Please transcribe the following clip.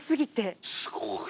すごいね。